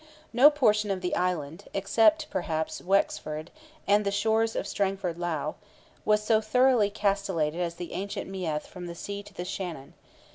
No portion of the island, if we except, perhaps, Wexford and the shores of Strangford Lough, was so thoroughly castellated as the ancient Meath from the sea to the Shannon.